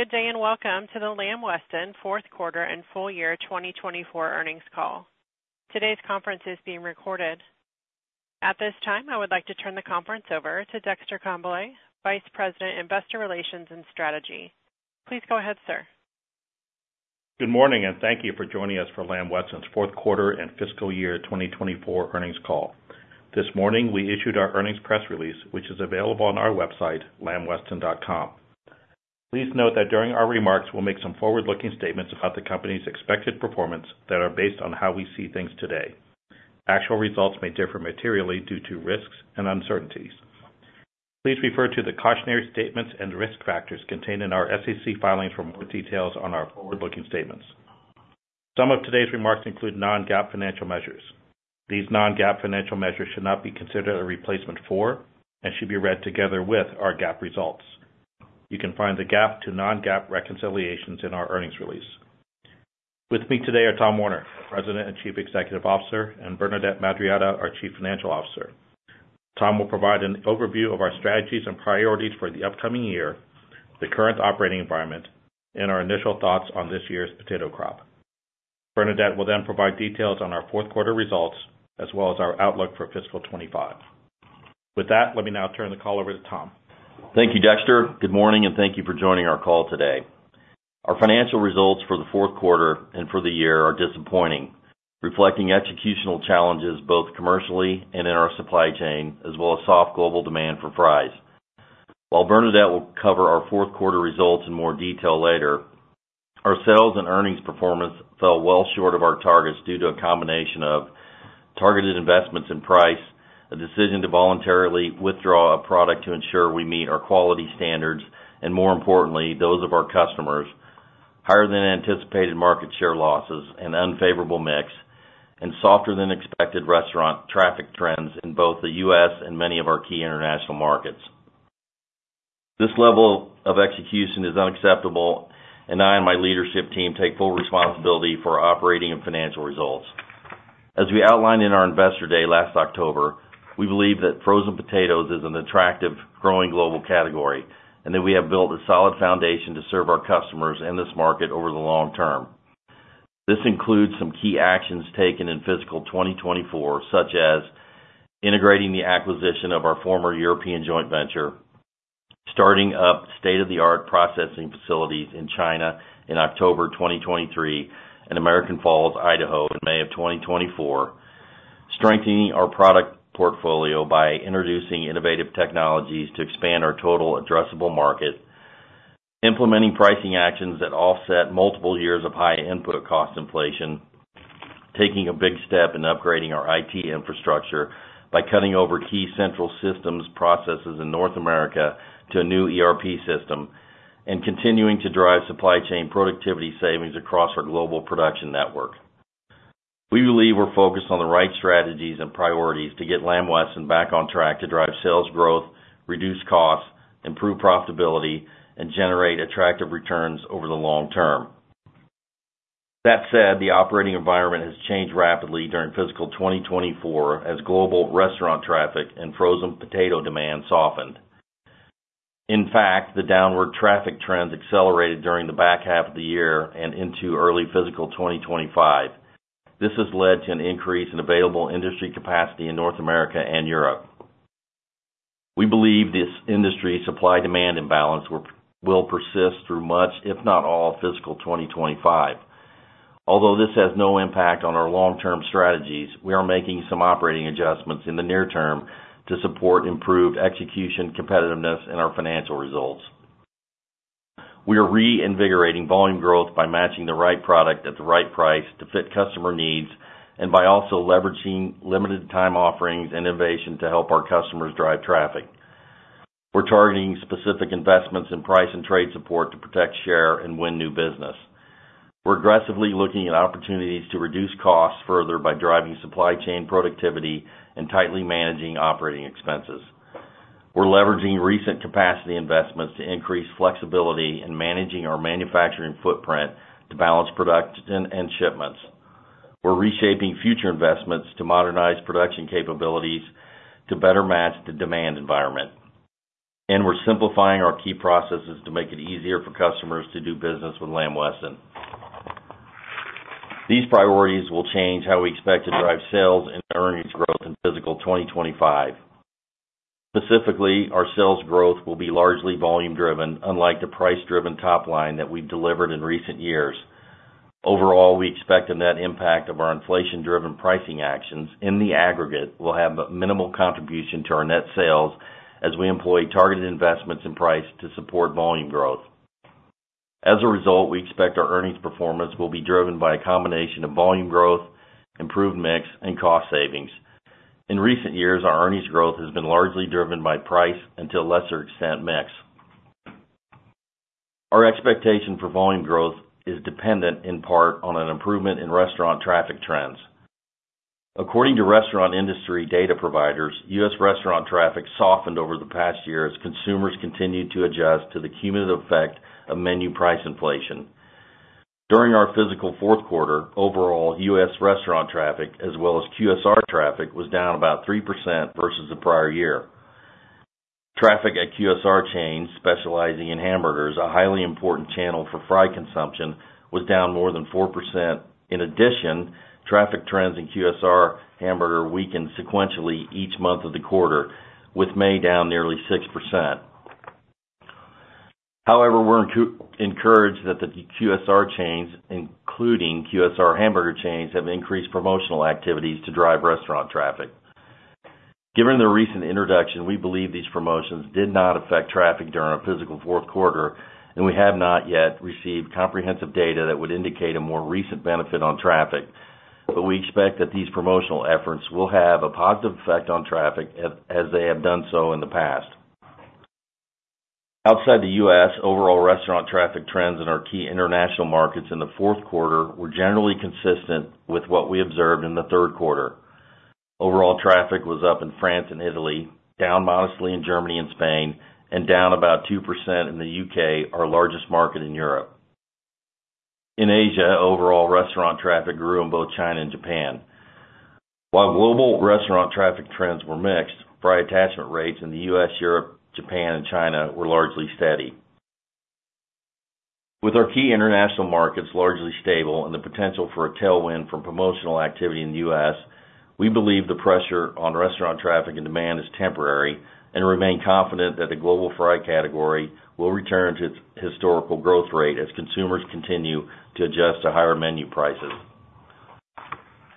Good day and welcome to the Lamb Weston Q4 and full year 2024 earnings call. Today's conference is being recorded. At this time, I would like to turn the conference over to Dexter Congbalay, Vice President, Investor Relations and Strategy. Please go ahead, sir. Good morning, and thank you for joining us for Lamb Weston's Q4 and FY2024 earnings call. This morning, we issued our earnings press release, which is available on our website, lambweston.com. Please note that during our remarks, we'll make some forward-looking statements about the company's expected performance that are based on how we see things today. Actual results may differ materially due to risks and uncertainties. Please refer to the cautionary statements and risk factors contained in our SEC filings for more details on our forward-looking statements. Some of today's remarks include non-GAAP financial measures. These non-GAAP financial measures should not be considered a replacement for and should be read together with our GAAP results. You can find the GAAP to non-GAAP reconciliations in our earnings release. With me today are Tom Werner, President and Chief Executive Officer, and Bernadette Madarieta, our Chief Financial Officer. Tom will provide an overview of our strategies and priorities for the upcoming year, the current operating environment, and our initial thoughts on this year's potato crop. Bernadette will then provide details on our Q4 results as well as our outlook for FY2025. With that, let me now turn the call over to Tom. Thank you, Dexter. Good morning, and thank you for joining our call today. Our financial results for Q4 and for the year are disappointing, reflecting executional challenges both commercially and in our supply chain, as well as soft global demand for fries. While Bernadette will cover our Q4 results in more detail later, our sales and earnings performance fell well short of our targets due to a combination of targeted investments in price, a decision to voluntarily withdraw a product to ensure we meet our quality standards, and more importantly, those of our customers, higher than anticipated market share losses, an unfavorable mix, and softer than expected restaurant traffic trends in both the U.S. and many of our key International markets. This level of execution is unacceptable, and I and my leadership team take full responsibility for operating and financial results. As we outlined in our investor day last October, we believe that frozen potatoes is an attractive growing global category and that we have built a solid foundation to serve our customers in this market over the long term. This includes some key actions taken in FY2024, such as integrating the acquisition of our former European joint venture, starting up state-of-the-art processing facilities in China in October 2023 and American Falls, Idaho, in May of 2024, strengthening our product portfolio by introducing innovative technologies to expand our total addressable market, implementing pricing actions that offset multiple years of high input cost inflation, taking a big step in upgrading our IT infrastructure by cutting over key central systems processes in North America to a new ERP system, and continuing to drive supply chain productivity savings across our global production network. We believe we're focused on the right strategies and priorities to get Lamb Weston back on track to drive sales growth, reduce costs, improve profitability, and generate attractive returns over the long term. That said, the operating environment has changed rapidly during FY2024 as global restaurant traffic and frozen potato demand softened. In fact, the downward traffic trends accelerated during the back half of the year and into early FY2025. This has led to an increase in available industry capacity in North America and Europe. We believe this industry supply-demand imbalance will persist through much, if not all, FY2025. Although this has no impact on our long-term strategies, we are making some operating adjustments in the near term to support improved execution, competitiveness, and our financial results. We are reinvigorating volume growth by matching the right product at the right price to fit customer needs and by also leveraging limited-time offerings and innovation to help our customers drive traffic. We're targeting specific investments in price and trade support to protect share and win new business. We're aggressively looking at opportunities to reduce costs further by driving supply chain productivity and tightly managing operating expenses. We're leveraging recent capacity investments to increase flexibility and managing our manufacturing footprint to balance production and shipments. We're reshaping future investments to modernize production capabilities to better match the demand environment, and we're simplifying our key processes to make it easier for customers to do business with Lamb Weston. These priorities will change how we expect to drive sales and earnings growth in fiscal 2025. Specifically, our sales growth will be largely volume-driven, unlike the price-driven top line that we've delivered in recent years. Overall, we expect a net impact of our inflation-driven pricing actions in the aggregate will have a minimal contribution to our net sales as we employ targeted investments in price to support volume growth. As a result, we expect our earnings performance will be driven by a combination of volume growth, improved mix, and cost savings. In recent years, our earnings growth has been largely driven by price and, to a lesser extent, mix. Our expectation for volume growth is dependent in part on an improvement in restaurant traffic trends. According to restaurant industry data providers, US restaurant traffic softened over the past year as consumers continued to adjust to the cumulative effect of menu price inflation. During our Fiscal Q4, overall U.S. restaurant traffic, as well as QSR traffic, was down about 3% versus the prior year. Traffic at QSR chains, specializing in hamburgers, a highly important channel for fry consumption, was down more than 4%. In addition, traffic trends in QSR hamburger weakened sequentially each month of the quarter, with May down nearly 6%. However, we're encouraged that the QSR chains, including QSR hamburger chains, have increased promotional activities to drive restaurant traffic. Given the recent introduction, we believe these promotions did not affect traffic during our Fiscal Q4, and we have not yet received comprehensive data that would indicate a more recent benefit on traffic, but we expect that these promotional efforts will have a positive effect on traffic as they have done so in the past. Outside the U.S., overall restaurant traffic trends in our key international markets in the Q4 were generally consistent with what we observed in Q3. Overall traffic was up in France and Italy, down modestly in Germany and Spain, and down about 2% in the U.K., our largest market in Europe. In Asia, overall restaurant traffic grew in both China and Japan. While global restaurant traffic trends were mixed, fry attachment rates in the U.S., Europe, Japan, and China were largely steady. With our key international markets largely stable and the potential for a tailwind from promotional activity in the U.S., we believe the pressure on restaurant traffic and demand is temporary and remain confident that the global fry category will return to its historical growth rate as consumers continue to adjust to higher menu prices.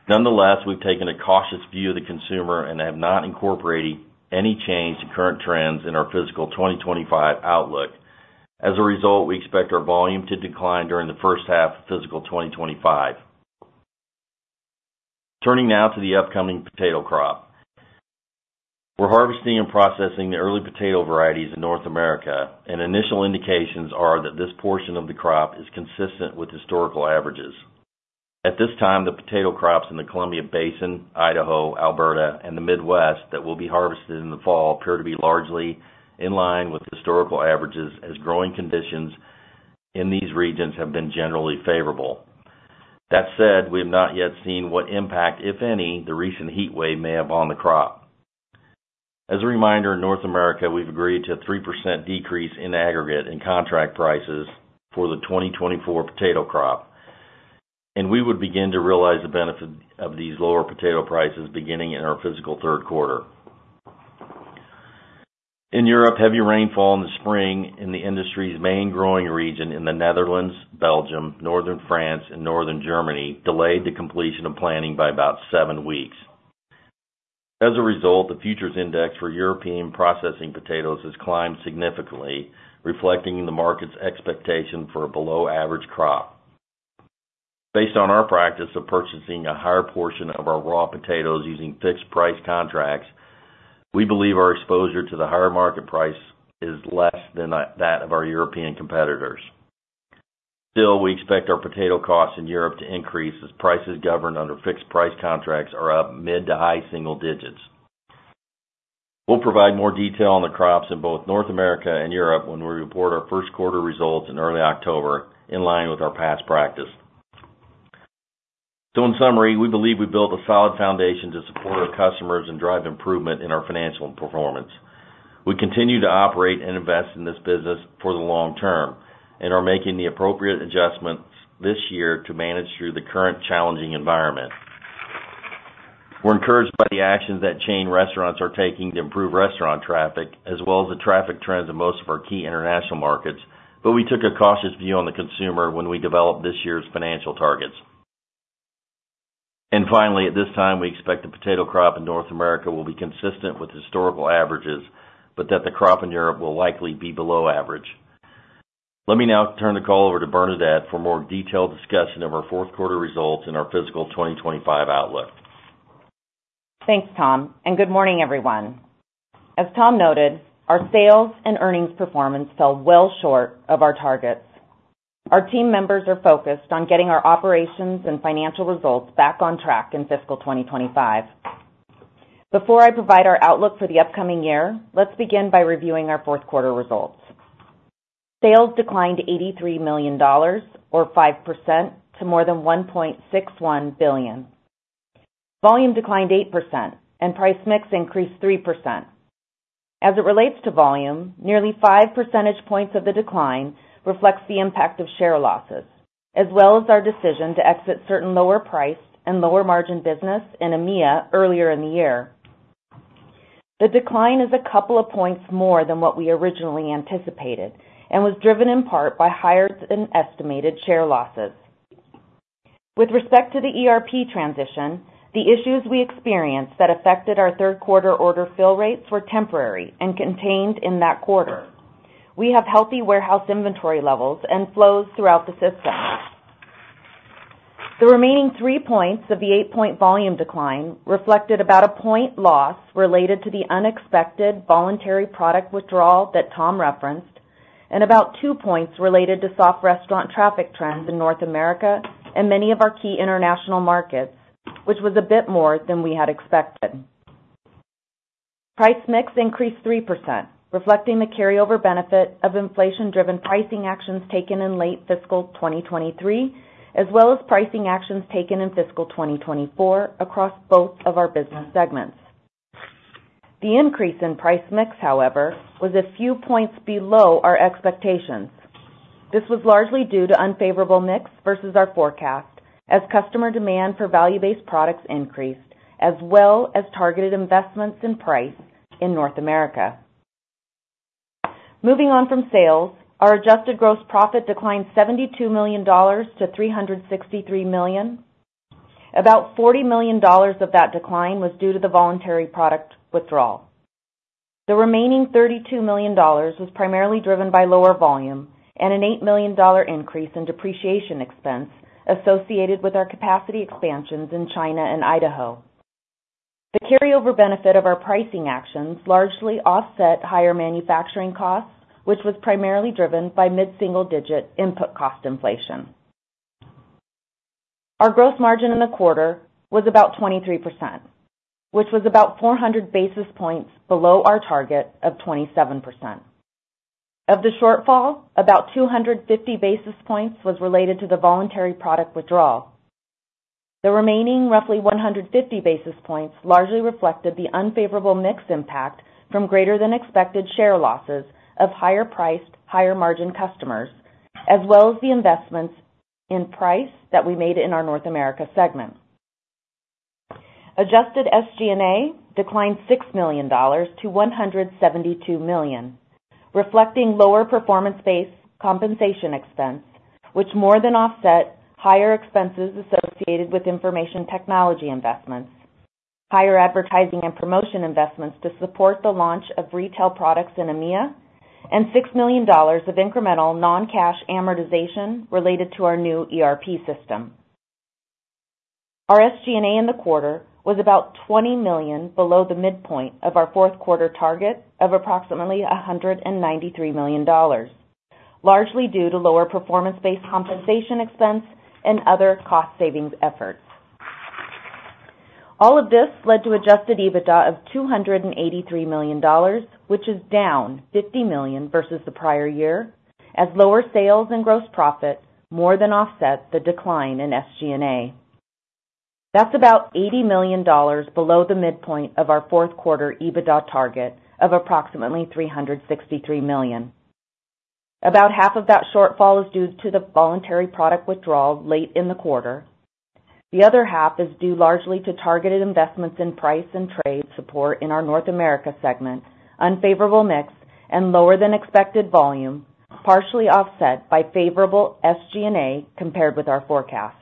Nonetheless, we've taken a cautious view of the consumer and have not incorporated any change to current trends in our FY2025 outlook. As a result, we expect our volume to decline during H1 of FY2025. Turning now to the upcoming potato crop. We're harvesting and processing the early potato varieties in North America, and initial indications are that this portion of the crop is consistent with historical averages. At this time, the potato crops in the Columbia Basin, Idaho, Alberta, and the Midwest that will be harvested in the fall appear to be largely in line with historical averages as growing conditions in these regions have been generally favorable. That said, we have not yet seen what impact, if any, the recent heat wave may have on the crop. As a reminder, in North America, we've agreed to a 3% decrease in aggregate in contract prices for the 2024 potato crop, and we would begin to realize the benefit of these lower potato prices beginning in our Fiscal Q3. In Europe, heavy rainfall in the spring in the industry's main growing region in the Netherlands, Belgium, northern France, and northern Germany delayed the completion of planning by about seven weeks. As a result, the futures index for European processing potatoes has climbed significantly, reflecting the market's expectation for a below-average crop. Based on our practice of purchasing a higher portion of our raw potatoes using fixed price contracts, we believe our exposure to the higher market price is less than that of our European competitors. Still, we expect our potato costs in Europe to increase as prices governed under fixed price contracts are up mid to high single digits. We'll provide more detail on the crops in both North America and Europe when we report our Q1 results in early October in line with our past practice. So, in summary, we believe we built a solid foundation to support our customers and drive improvement in our financial performance. We continue to operate and invest in this business for the long term and are making the appropriate adjustments this year to manage through the current challenging environment. We're encouraged by the actions that chain restaurants are taking to improve restaurant traffic, as well as the traffic trends in most of our key international markets, but we took a cautious view on the consumer when we developed this year's financial targets. Finally, at this time, we expect the potato crop in North America will be consistent with historical averages, but that the crop in Europe will likely be below average. Let me now turn the call over to Bernadette for more detailed discussion of our fourth quarter results in our fiscal 2025 outlook. Thanks, Tom, and good morning, everyone. As Tom noted, our sales and earnings performance fell well short of our targets. Our team members are focused on getting our operations and financial results back on track in Fiscal 2025. Before I provide our outlook for the upcoming year, let's begin by reviewing our Q4 results. Sales declined $83 million, or 5%, to more than $1.61 billion. Volume declined 8%, and price mix increased 3%. As it relates to volume, nearly five percentage points of the decline reflects the impact of share losses, as well as our decision to exit certain lower-priced and lower-margin business in EMEA earlier in the year. The decline is a couple of points more than what we originally anticipated and was driven in part by higher than estimated share losses. With respect to the ERP transition, the issues we experienced that affected our Q3 order fill rates were temporary and contained in that quarter. We have healthy warehouse inventory levels and flows throughout the system. The remaining 3 points of the 8-point volume decline reflected about a 1-point loss related to the unexpected voluntary product withdrawal that Tom referenced, and about 2 points related to soft restaurant traffic trends in North America and many of our key international markets, which was a bit more than we had expected. Price mix increased 3%, reflecting the carryover benefit of inflation-driven pricing actions taken in late Fiscal 2023, as well as pricing actions taken in Fiscal 2024 across both of our business segments. The increase in price mix, however, was a few points below our expectations. This was largely due to unfavorable mix versus our forecast, as customer demand for value-based products increased, as well as targeted investments in price in North America. Moving on from sales, our adjusted gross profit declined $72 million to $363 million. About $40 million of that decline was due to the voluntary product withdrawal. The remaining $32 million was primarily driven by lower volume and an $8 million increase in depreciation expense associated with our capacity expansions in China and Idaho. The carryover benefit of our pricing actions largely offset higher manufacturing costs, which was primarily driven by mid-single-digit input cost inflation. Our gross margin in the quarter was about 23%, which was about 400 basis points below our target of 27%. Of the shortfall, about 250 basis points was related to the voluntary product withdrawal. The remaining roughly 150 basis points largely reflected the unfavorable mix impact from greater-than-expected share losses of higher-priced, higher-margin customers, as well as the investments in price that we made in our North America segment. Adjusted SG&A declined $6 million to $172 million, reflecting lower performance-based compensation expense, which more than offset higher expenses associated with information technology investments, higher advertising and promotion investments to support the launch of retail products in EMEA, and $6 million of incremental non-cash amortization related to our new ERP system. Our SG&A in the quarter was about $20 million below the midpoint of our fourth quarter target of approximately $193 million, largely due to lower performance-based compensation expense and other cost savings efforts. All of this led to adjusted EBITDA of $283 million, which is down $50 million versus the prior year, as lower sales and gross profit more than offset the decline in SG&A. That's about $80 million below the midpoint of our Q4 EBITDA target of approximately $363 million. About half of that shortfall is due to the voluntary product withdrawal late in the quarter. The other half is due largely to targeted investments in price and trade support in our North America segment, unfavorable mix, and lower-than-expected volume, partially offset by favorable SG&A compared with our forecast.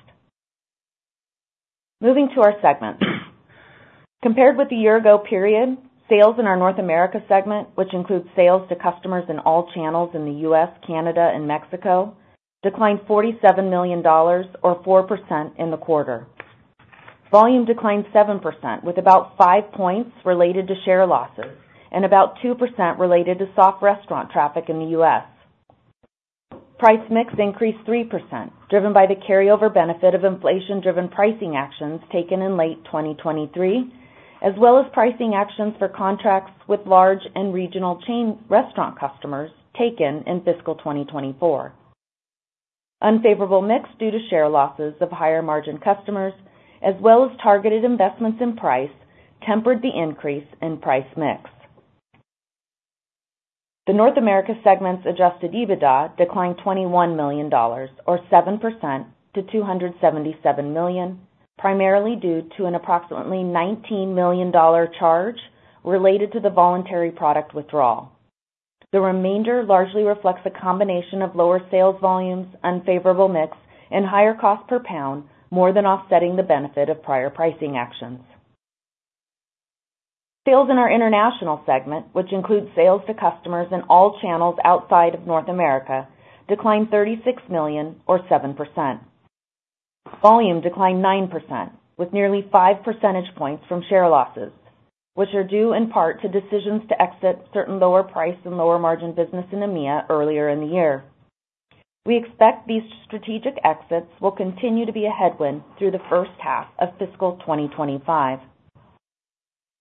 Moving to our segments. Compared with the year-ago period, sales in our North America segment, which includes sales to customers in all channels in the U.S., Canada, and Mexico, declined $47 million, or 4%, in the quarter. Volume declined 7%, with about 5 points related to share losses and about 2% related to soft restaurant traffic in the U.S. Price mix increased 3%, driven by the carryover benefit of inflation-driven pricing actions taken in late 2023, as well as pricing actions for contracts with large and regional chain restaurant customers taken in Fiscal 2024. Unfavorable mix due to share losses of higher-margin customers, as well as targeted investments in price, tempered the increase in price mix. The North America segment's Adjusted EBITDA declined $21 million, or 7%, to $277 million, primarily due to an approximately $19 million charge related to the voluntary product withdrawal. The remainder largely reflects a combination of lower sales volumes, unfavorable mix, and higher cost per pound, more than offsetting the benefit of prior pricing actions. Sales in our international segment, which includes sales to customers in all channels outside of North America, declined $36 million, or 7%. Volume declined 9%, with nearly five percentage points from share losses, which are due in part to decisions to exit certain lower-priced and lower-margin business in EMEA earlier in the year. We expect these strategic exits will continue to be a headwind through H1 of Fiscal 2025.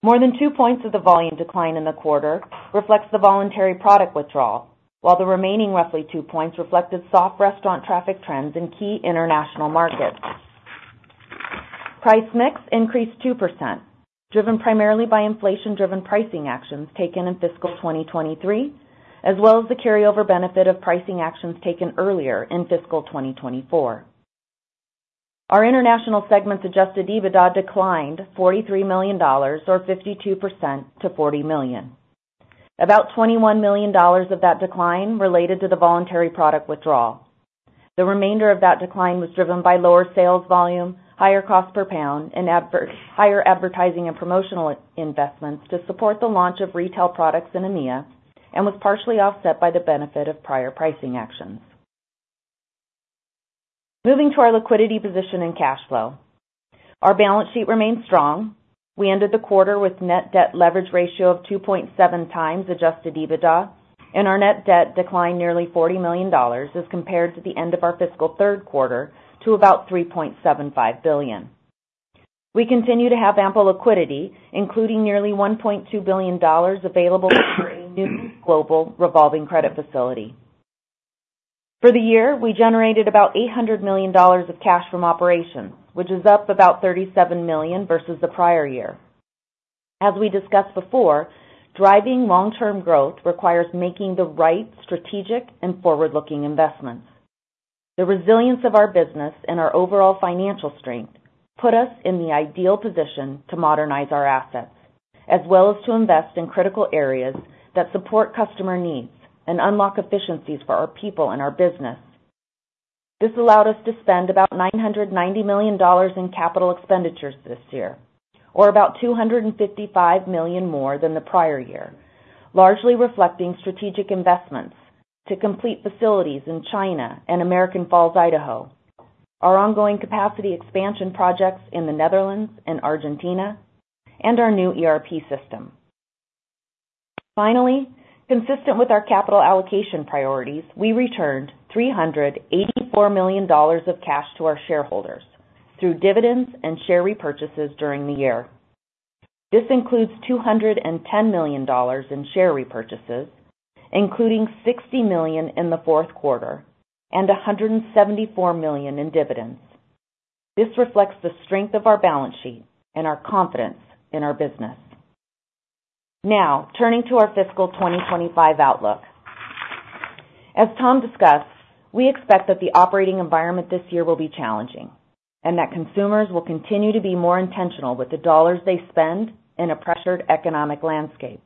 More than two points of the volume decline in the quarter reflects the voluntary product withdrawal, while the remaining roughly two points reflected soft restaurant traffic trends in key international markets. Price mix increased 2%, driven primarily by inflation-driven pricing actions taken in fiscal 2023, as well as the carryover benefit of pricing actions taken earlier in fiscal 2024. Our international segment's Adjusted EBITDA declined $43 million, or 52%, to $40 million. About $21 million of that decline related to the voluntary product withdrawal. The remainder of that decline was driven by lower sales volume, higher cost per pound, and higher advertising and promotional investments to support the launch of retail products in EMEA, and was partially offset by the benefit of prior pricing actions. Moving to our liquidity position and cash flow. Our balance sheet remained strong. We ended the quarter with net debt leverage ratio of 2.7x Adjusted EBITDA, and our net debt declined nearly $40 million as compared to the end of our fiscal third quarter to about $3.75 billion. We continue to have ample liquidity, including nearly $1.2 billion available for a new global revolving credit facility. For the year, we generated about $800 million of cash from operations, which is up about $37 million versus the prior year. As we discussed before, driving long-term growth requires making the right strategic and forward-looking investments. The resilience of our business and our overall financial strength put us in the ideal position to modernize our assets, as well as to invest in critical areas that support customer needs and unlock efficiencies for our people and our business. This allowed us to spend about $990 million in capital expenditures this year, or about $255 million more than the prior year, largely reflecting strategic investments to complete facilities in China and American Falls, Idaho, our ongoing capacity expansion projects in the Netherlands and Argentina, and our new ERP system. Finally, consistent with our capital allocation priorities, we returned $384 million of cash to our shareholders through dividends and share repurchases during the year. This includes $210 million in share repurchases, including $60 million in the fourth quarter and $174 million in dividends. This reflects the strength of our balance sheet and our confidence in our business. Now, turning to our Fiscal 2025 outlook. As Tom discussed, we expect that the operating environment this year will be challenging and that consumers will continue to be more intentional with the dollars they spend in a pressured economic landscape.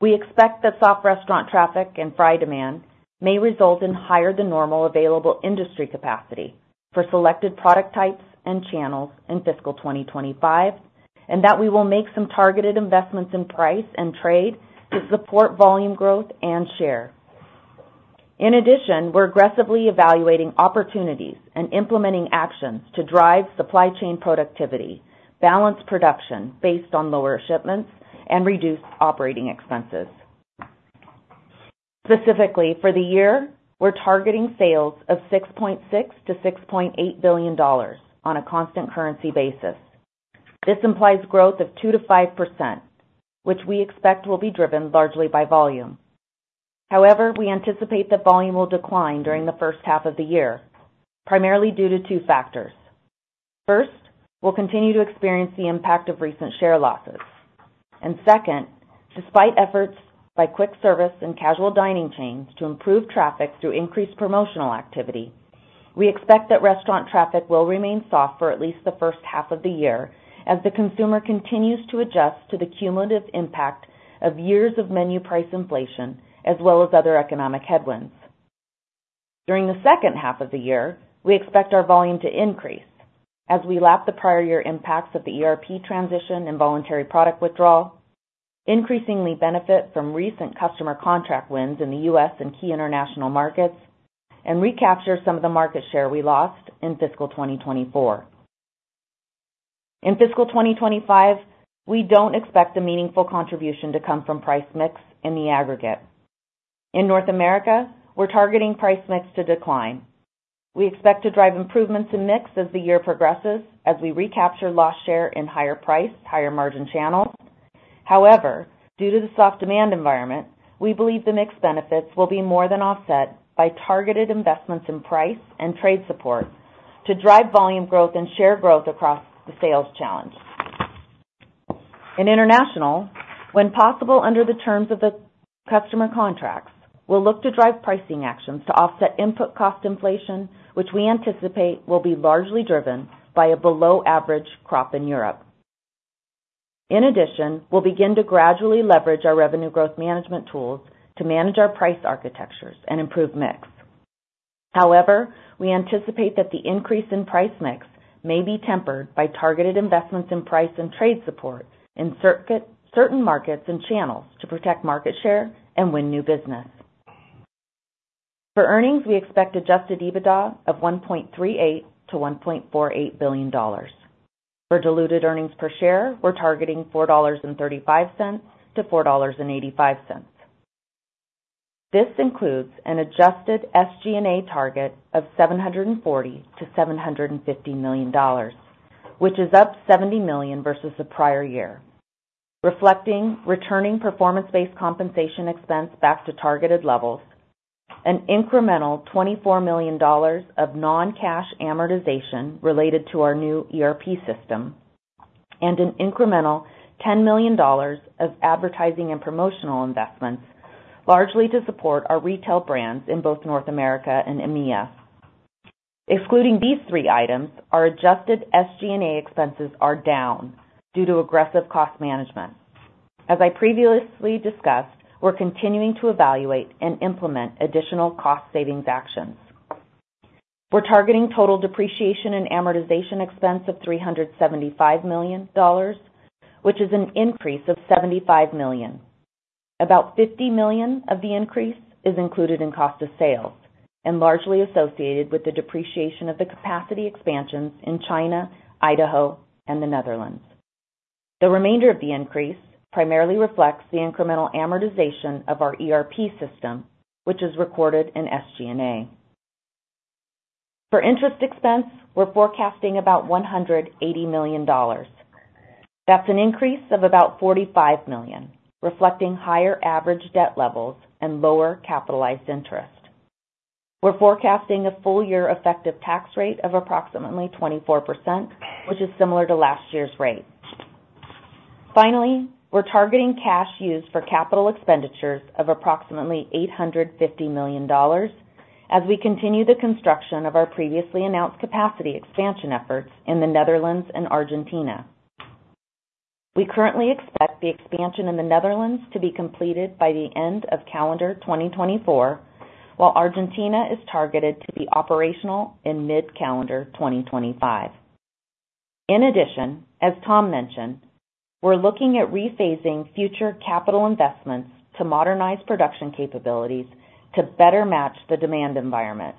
We expect that soft restaurant traffic and fry demand may result in higher-than-normal available industry capacity for selected product types and channels in Fiscal 2025, and that we will make some targeted investments in price and trade to support volume growth and share. In addition, we're aggressively evaluating opportunities and implementing actions to drive supply chain productivity, balance production based on lower shipments, and reduce operating expenses. Specifically, for the year, we're targeting sales of $6.6-$6.8 billion on a constant currency basis. This implies growth of 2%-5%, which we expect will be driven largely by volume. However, we anticipate that volume will decline during H1 of the year, primarily due to two factors. First, we'll continue to experience the impact of recent share losses. And second, despite efforts by quick service and casual dining chains to improve traffic through increased promotional activity, we expect that restaurant traffic will remain soft for at least H1 of the year as the consumer continues to adjust to the cumulative impact of years of menu price inflation, as well as other economic headwinds. During H2 of the year, we expect our volume to increase as we lap the prior year impacts of the ERP transition and voluntary product withdrawal, increasingly benefit from recent customer contract wins in the U.S. and key international markets, and recapture some of the market share we lost in Fiscal 2024. In Fiscal 2025, we don't expect a meaningful contribution to come from price mix in the aggregate. In North America, we're targeting price mix to decline. We expect to drive improvements in mix as the year progresses as we recapture lost share in higher price, higher margin channels. However, due to the soft demand environment, we believe the mix benefits will be more than offset by targeted investments in price and trade support to drive volume growth and share growth across the sales challenge. In international, when possible under the terms of the customer contracts, we'll look to drive pricing actions to offset input cost inflation, which we anticipate will be largely driven by a below-average crop in Europe. In addition, we'll begin to gradually leverage our revenue growth management tools to manage our price architectures and improve mix. However, we anticipate that the increase in price mix may be tempered by targeted investments in price and trade support in certain markets and channels to protect market share and win new business. For earnings, we expect adjusted EBITDA of $1.38-$1.48 billion. For diluted earnings per share, we're targeting $4.35-$4.85. This includes an adjusted SG&A target of $740-$750 million, which is up $70 million versus the prior year, reflecting returning performance-based compensation expense back to targeted levels, an incremental $24 million of non-cash amortization related to our new ERP system, and an incremental $10 million of advertising and promotional investments, largely to support our retail brands in both North America and EMEA. Excluding these three items, our adjusted SG&A expenses are down due to aggressive cost management. As I previously discussed, we're continuing to evaluate and implement additional cost savings actions. We're targeting total depreciation and amortization expense of $375 million, which is an increase of $75 million. About $50 million of the increase is included in cost of sales and largely associated with the depreciation of the capacity expansions in China, Idaho, and the Netherlands. The remainder of the increase primarily reflects the incremental amortization of our ERP system, which is recorded in SG&A. For interest expense, we're forecasting about $180 million. That's an increase of about $45 million, reflecting higher average debt levels and lower capitalized interest. We're forecasting a full-year effective tax rate of approximately 24%, which is similar to last year's rate. Finally, we're targeting cash used for capital expenditures of approximately $850 million as we continue the construction of our previously announced capacity expansion efforts in the Netherlands and Argentina. We currently expect the expansion in the Netherlands to be completed by the end of calendar 2024, while Argentina is targeted to be operational in mid-calendar 2025. In addition, as Tom mentioned, we're looking at rephasing future capital investments to modernize production capabilities to better match the demand environment.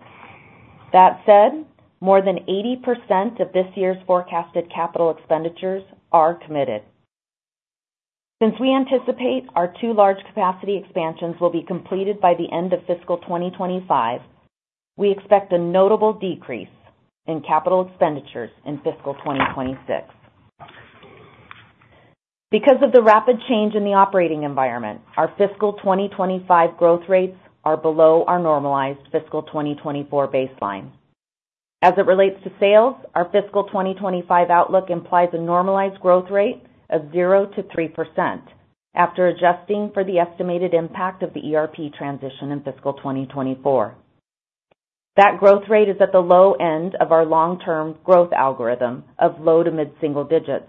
That said, more than 80% of this year's forecasted capital expenditures are committed. Since we anticipate our two large capacity expansions will be completed by the end of Fiscal 2025, we expect a notable decrease in capital expenditures in Fiscal 2026. Because of the rapid change in the operating environment, our fiscal 2025 growth rates are below our normalized Fiscal 2024 baseline. As it relates to sales, our fiscal 2025 outlook implies a normalized growth rate of 0%-3% after adjusting for the estimated impact of the ERP transition in Fiscal 2024. That growth rate is at the low end of our long-term growth algorithm of low to mid-single digits.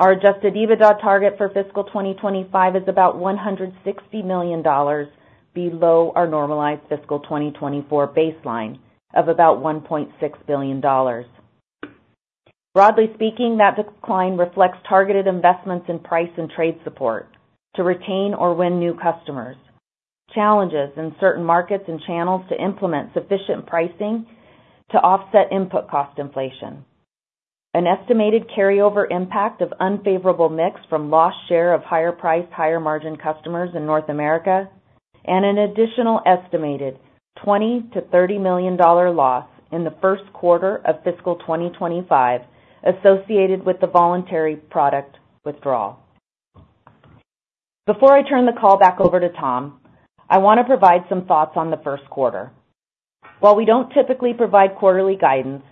Our adjusted EBITDA target for Fiscal 2025 is about $160 million below our normalized Fiscal 2024 baseline of about $1.6 billion. Broadly speaking, that decline reflects targeted investments in price and trade support to retain or win new customers, challenges in certain markets and channels to implement sufficient pricing to offset input cost inflation, an estimated carryover impact of unfavorable mix from lost share of higher-priced, higher-margin customers in North America, and an additional estimated $20 million-$30 million loss in the first quarter of Fiscal 2025 associated with the voluntary product withdrawal. Before I turn the call back over to Tom, I want to provide some thoughts on Q1. While we don't typically provide quarterly guidance,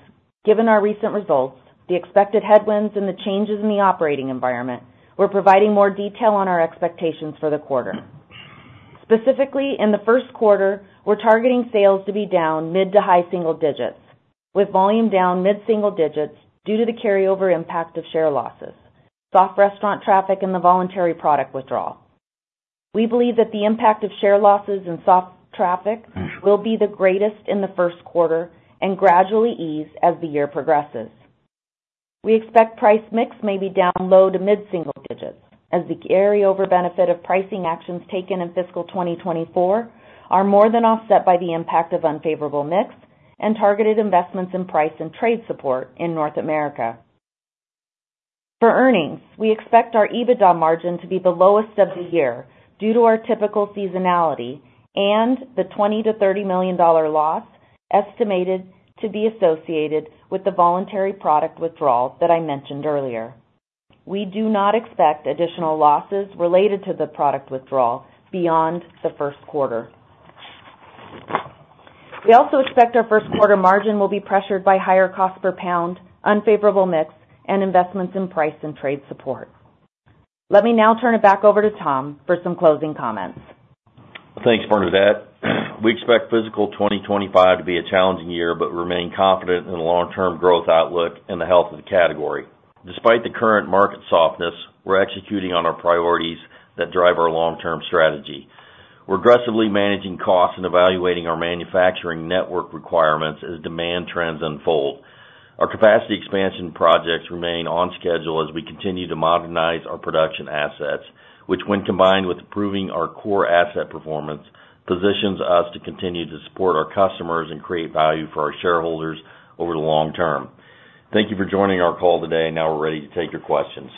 given our recent results, the expected headwinds, and the changes in the operating environment, we're providing more detail on our expectations for the quarter. Specifically, in the first quarter, we're targeting sales to be down mid- to high-single digits, with volume down mid-single digits due to the carryover impact of share losses, soft restaurant traffic, and the voluntary product withdrawal. We believe that the impact of share losses and soft traffic will be the greatest in Q1 and gradually ease as the year progresses. We expect price mix may be down low- to mid-single digits as the carryover benefit of pricing actions taken in fiscal 2024 are more than offset by the impact of unfavorable mix and targeted investments in price and trade support in North America. For earnings, we expect our EBITDA margin to be the lowest of the year due to our typical seasonality and the $20-$30 million loss estimated to be associated with the voluntary product withdrawal that I mentioned earlier. We do not expect additional losses related to the product withdrawal beyond Q1. We also expect our first quarter margin will be pressured by higher cost per pound, unfavorable mix, and investments in price and trade support. Let me now turn it back over to Tom for some closing comments. Thanks, Bernadette. We expect Fiscal 2025 to be a challenging year, but remain confident in the long-term growth outlook and the health of the category. Despite the current market softness, we're executing on our priorities that drive our long-term strategy. We're aggressively managing costs and evaluating our manufacturing network requirements as demand trends unfold. Our capacity expansion projects remain on schedule as we continue to modernize our production assets, which, when combined with improving our core asset performance, positions us to continue to support our customers and create value for our shareholders over the long term. Thank you for joining our call today. Now we're ready to take your questions.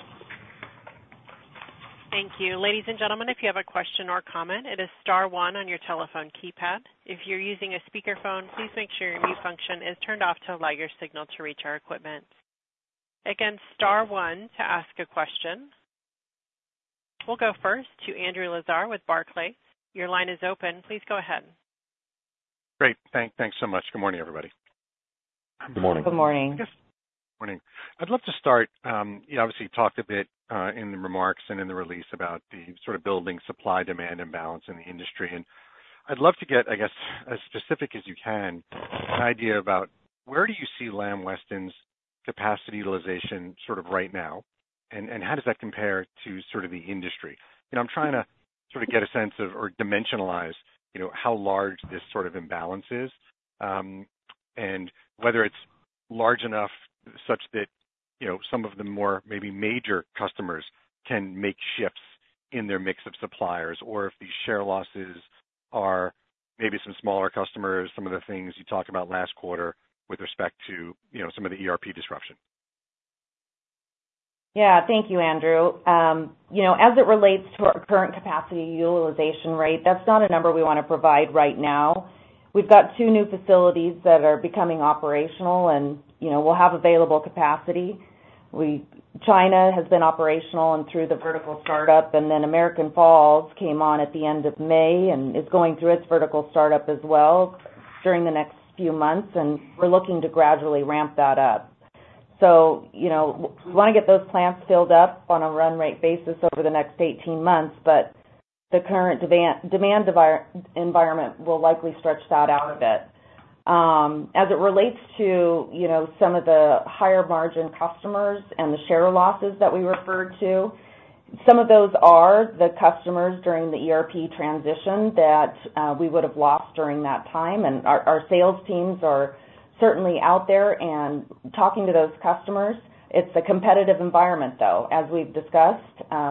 Thank you. Ladies and gentlemen, if you have a question or a comment, it is star 1 on your telephone keypad. If you're using a speakerphone, please make sure your mute function is turned off to allow your signal to reach our equipment. Again, star 1 to ask a question. We'll go first to Andrew Lazar with Barclays. Your line is open. Please go ahead. Great. Thanks so much. Good morning, everybody. Good morning. Good morning. Good morning. I'd love to start. You obviously talked a bit in the remarks and in the release about the sort of building supply-demand imbalance in the industry. I'd love to get, I guess, as specific as you can, an idea about where do you see Lamb Weston's capacity utilization sort of right now, and how does that compare to sort of the industry? I'm trying to sort of get a sense of or dimensionalize how large this sort of imbalance is and whether it's large enough such that some of the more maybe major customers can make shifts in their mix of suppliers or if the share losses are maybe some smaller customers, some of the things you talked about last quarter with respect to some of the ERP disruption. Yeah. Thank you, Andrew. As it relates to our current capacity utilization rate, that's not a number we want to provide right now. We've got two new facilities that are becoming operational, and we'll have available capacity. China has been operational and through the vertical startup, and then American Falls came on at the end of May and is going through its vertical startup as well during the next few months, and we're looking to gradually ramp that up. So we want to get those plants filled up on a run-rate basis over the next 18 months, but the current demand environment will likely stretch that out a bit. As it relates to some of the higher-margin customers and the share losses that we referred to, some of those are the customers during the ERP transition that we would have lost during that time. And our sales teams are certainly out there, and talking to those customers, it's a competitive environment, though, as we've discussed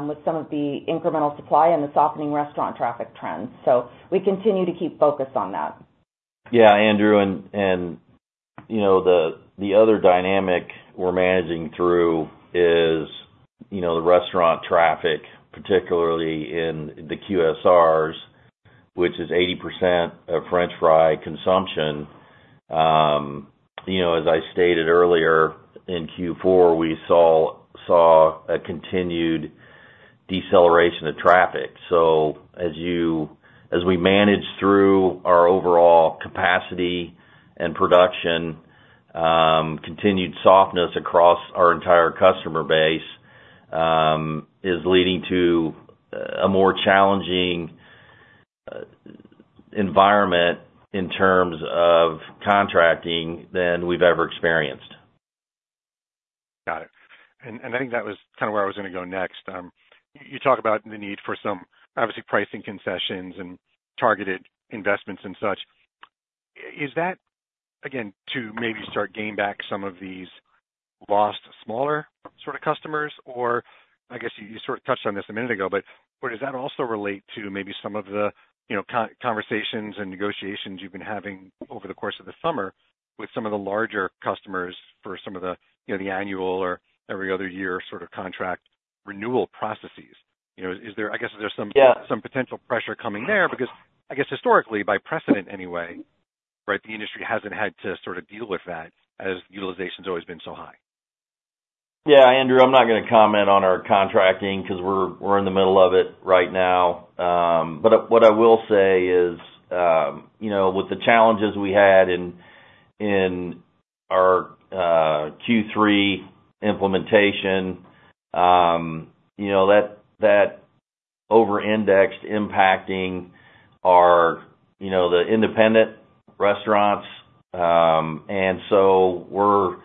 with some of the incremental supply and the softening restaurant traffic trends. So we continue to keep focus on that. Yeah. Andrew, and the other dynamic we're managing through is the restaurant traffic, particularly in the QSRs, which is 80% of French fry consumption. As I stated earlier, in Q4, we saw a continued deceleration of traffic. So as we manage through our overall capacity and production, continued softness across our entire customer base is leading to a more challenging environment in terms of contracting than we've ever experienced. Got it. And I think that was kind of where I was going to go next. You talk about the need for some, obviously, pricing concessions and targeted investments and such. Is that, again, to maybe start gaining back some of these lost, smaller sort of customers? Or I guess you sort of touched on this a minute ago, but does that also relate to maybe some of the conversations and negotiations you've been having over the course of the summer with some of the larger customers for some of the annual or every other year sort of contract renewal processes? I guess there's some potential pressure coming there because, I guess, historically, by precedent anyway, right, the industry hasn't had to sort of deal with that as utilization's always been so high. Yeah. Andrew, I'm not going to comment on our contracting because we're in the middle of it right now. But what I will say is, with the challenges we had in our Q3 implementation, that over-indexed impacting the independent restaurants. And so we're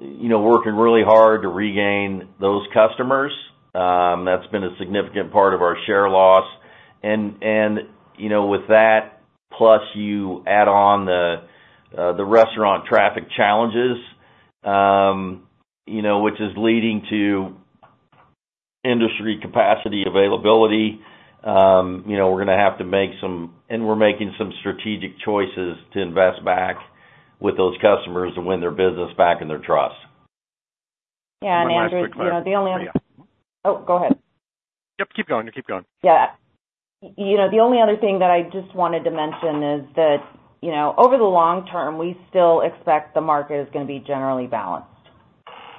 working really hard to regain those customers. That's been a significant part of our share loss. With that, plus you add on the restaurant traffic challenges, which is leading to industry capacity availability. We're going to have to make some—and we're making some strategic choices to invest back with those customers and win their business back and their trust. Yeah. And Andrew, the only— Oh, go ahead. Yep. Keep going. Keep going. Yeah. The only other thing that I just wanted to mention is that over the long term, we still expect the market is going to be generally balanced.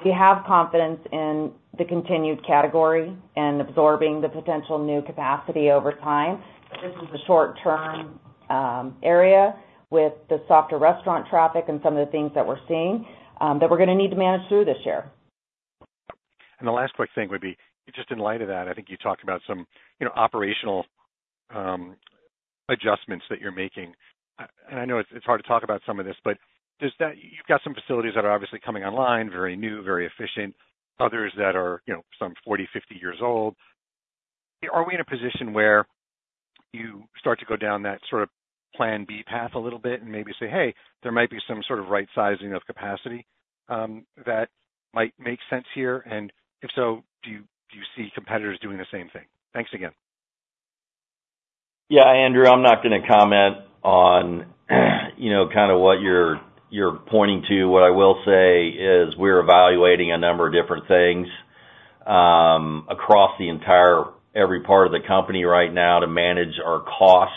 We have confidence in the continued category and absorbing the potential new capacity over time. This is a short-term area with the softer restaurant traffic and some of the things that we're seeing that we're going to need to manage through this year. The last quick thing would be, just in light of that, I think you talked about some operational adjustments that you're making. I know it's hard to talk about some of this, but you've got some facilities that are obviously coming online, very new, very efficient, others that are some 40, 50 years old. Are we in a position where you start to go down that sort of plan B path a little bit and maybe say, "Hey, there might be some sort of right-sizing of capacity that might make sense here?" If so, do you see competitors doing the same thing? Thanks again. Yeah. Andrew, I'm not going to comment on kind of what you're pointing to. What I will say is we're evaluating a number of different things across every part of the company right now to manage our cost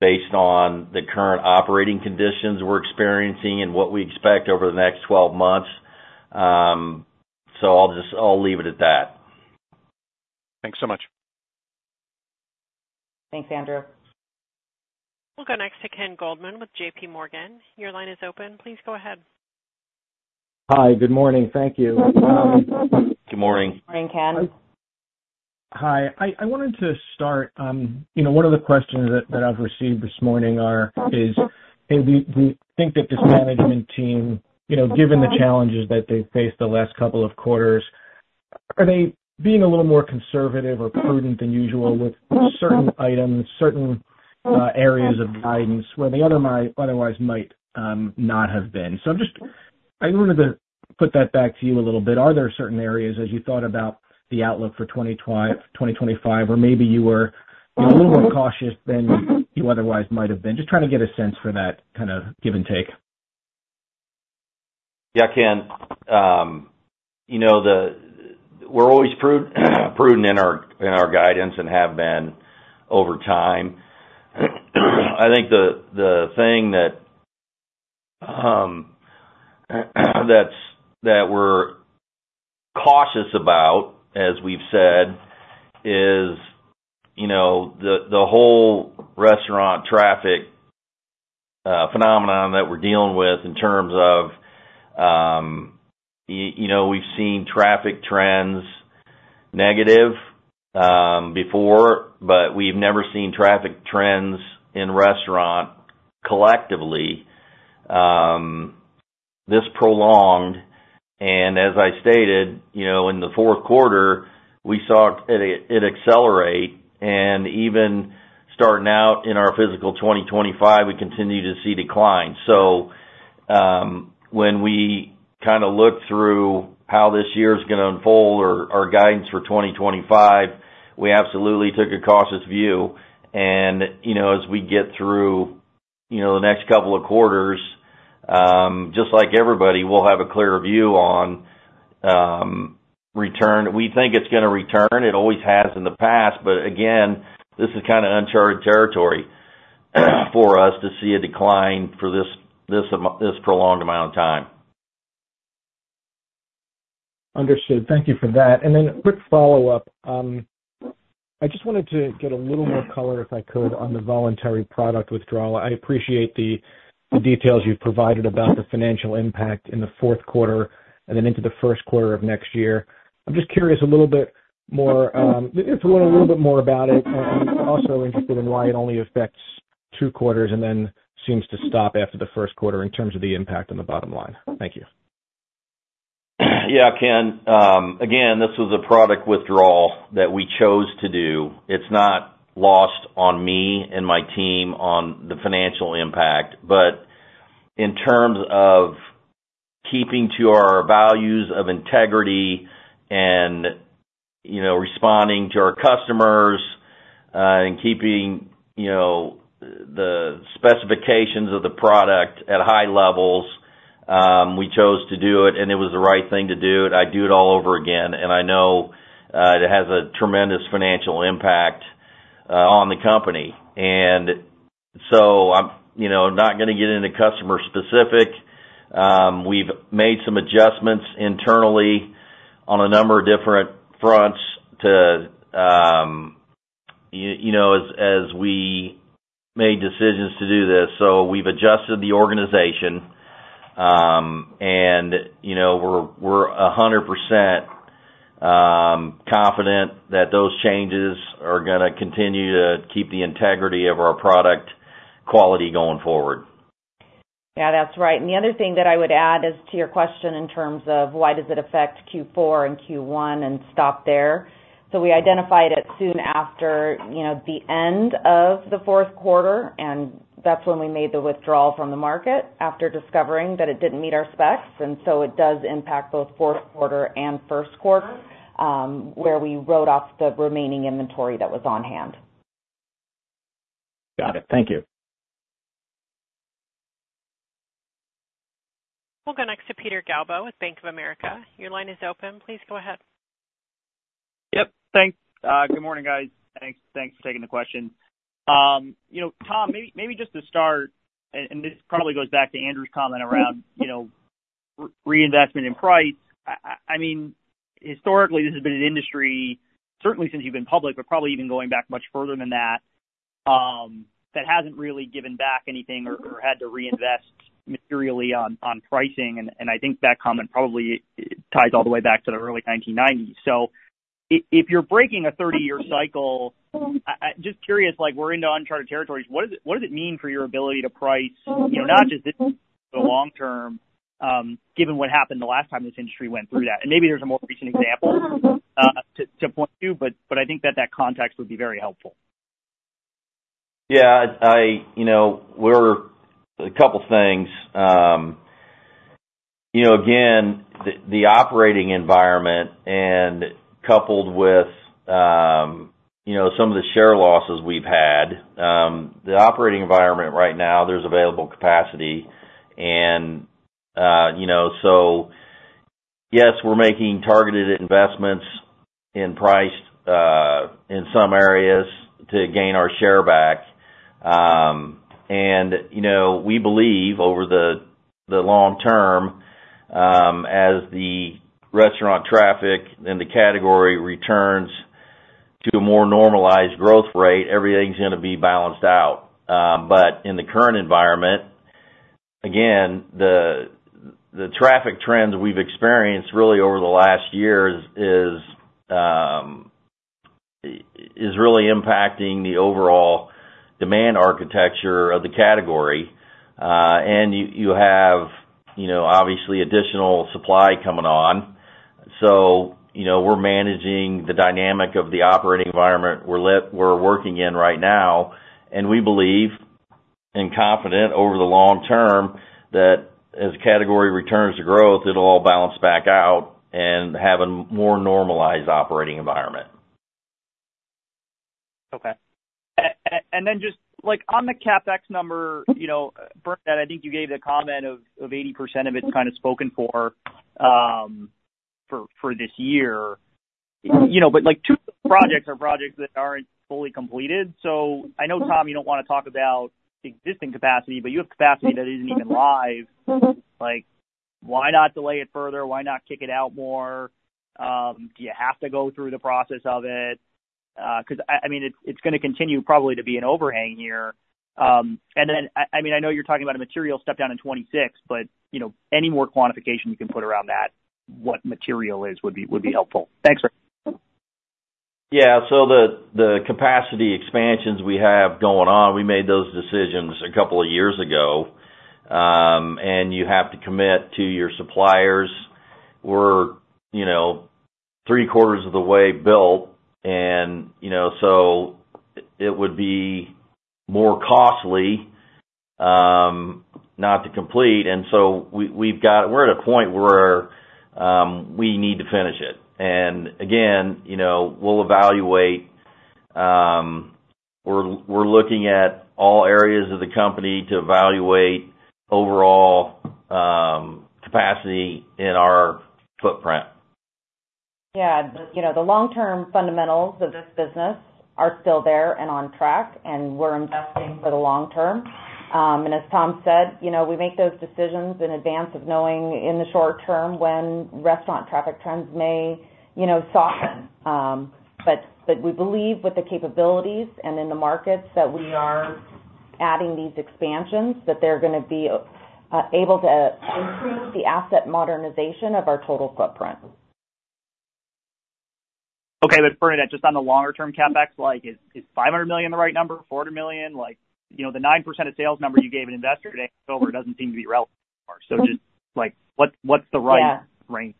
based on the current operating conditions we're experiencing and what we expect over the next 12 months. So I'll leave it at that. Thanks so much. Thanks, Andrew. We'll go next to Ken Goldman with JPMorgan. Your line is open. Please go ahead. Hi. Good morning. Thank you. Good morning. Morning, Ken. Hi. I wanted to start. One of the questions that I've received this morning is, "Hey, do you think that this management team, given the challenges that they've faced the last couple of quarters, are they being a little more conservative or prudent than usual with certain items, certain areas of guidance where they otherwise might not have been?" So I wanted to put that back to you a little bit. Are there certain areas as you thought about the outlook for 2025 where maybe you were a little more cautious than you otherwise might have been? Just trying to get a sense for that kind of give and take. Yeah. Ken, we're always prudent in our guidance and have been over time. I think the thing that we're cautious about, as we've said, is the whole restaurant traffic phenomenon that we're dealing with in terms of we've seen traffic trends negative before, but we've never seen traffic trends in restaurants collectively this prolonged. As I stated, in Q4, we saw it accelerate. Even starting out in our Fiscal 2025, we continue to see decline. So when we kind of looked through how this year is going to unfold or our guidance for 2025, we absolutely took a cautious view. As we get through the next couple of quarters, just like everybody, we'll have a clear view on return. We think it's going to return. It always has in the past. But again, this is kind of uncharted territory for us to see a decline for this prolonged amount of time. Understood. Thank you for that. And then a quick follow-up. I just wanted to get a little more color if I could on the voluntary product withdrawal. I appreciate the details you've provided about the financial impact in the fourth quarter and then into Q1 of next year. I'm just curious a little bit more if you want a little bit more about it. I'm also interested in why it only affects two quarters and then seems to stop after Q1 in terms of the impact on the bottom line. Thank you. Yeah. Ken, again, this was a product withdrawal that we chose to do. It's not lost on me and my team on the financial impact, but in terms of keeping to our values of integrity and responding to our customers and keeping the specifications of the product at high levels, we chose to do it, and it was the right thing to do it. I'd do it all over again, and I know it has a tremendous financial impact on the company. And so I'm not going to get into customer-specific. We've made some adjustments internally on a number of different fronts as we made decisions to do this. So we've adjusted the organization, and we're 100% confident that those changes are going to continue to keep the integrity of our product quality going forward. Yeah. That's right. And the other thing that I would add is to your question in terms of why does it affect Q4 and Q1 and stop there. So we identified it soon after the end of Q4, and that's when we made the withdrawal from the market after discovering that it didn't meet our specs. And so it does impact both Q4 and Q1 where we wrote off the remaining inventory that was on hand. Got it. Thank you. We'll go next to Peter Galbo with Bank of America. Your line is open. Please go ahead. Yep. Thanks. Good morning, guys. Thanks for taking the question. Tom, maybe just to start, and this probably goes back to Andrew's comment around reinvestment in price. I mean, historically, this has been an industry, certainly since you've been public, but probably even going back much further than that, that hasn't really given back anything or had to reinvest materially on pricing. And I think that comment probably ties all the way back to the early 1990s. So if you're breaking a 30-year cycle, just curious, we're into uncharted territories. What does it mean for your ability to price, not just the long term, given what happened the last time this industry went through that? And maybe there's a more recent example to point to, but I think that that context would be very helpful. Yeah. There were a couple of things. Again, the operating environment and coupled with some of the share losses we've had, the operating environment right now, there's available capacity. And so yes, we're making targeted investments in price in some areas to gain our share back. And we believe over the long term, as the restaurant traffic in the category returns to a more normalized growth rate, everything's going to be balanced out. But in the current environment, again, the traffic trends we've experienced really over the last years is really impacting the overall demand architecture of the category. And you have, obviously, additional supply coming on. So we're managing the dynamic of the operating environment we're working in right now. And we believe and confident over the long term that as category returns to growth, it'll all balance back out and have a more normalized operating environment. Okay. And then just on the CapEx number, Bernadette, I think you gave the comment of 80% of it's kind of spoken for for this year. But two of the projects are projects that aren't fully completed. So I know, Tom, you don't want to talk about existing capacity, but you have capacity that isn't even live. Why not delay it further? Why not kick it out more? Do you have to go through the process of it? Because, I mean, it's going to continue probably to be an overhang here. And then, I mean, I know you're talking about a material step down in 2026, but any more quantification you can put around that, what material is, would be helpful. Thanks, sir. Yeah. So the capacity expansions we have going on, we made those decisions a couple of years ago. And you have to commit to your suppliers. We're three quarters of the way built. And so it would be more costly not to complete. And so we've got, we're at a point where we need to finish it. And again, we'll evaluate. We're looking at all areas of the company to evaluate overall capacity in our footprint. Yeah. The long-term fundamentals of this business are still there and on track, and we're investing for the long term. As Tom said, we make those decisions in advance of knowing in the short term when restaurant traffic trends may soften. But we believe with the capabilities and in the markets that we are adding these expansions, that they're going to be able to improve the asset modernization of our total footprint. Okay. But Bernadette, just on the longer-term CapEx, is $500 million the right number? $400 million? The 9% of sales number you gave an investor today in October doesn't seem to be relevant anymore. So just what's the right range?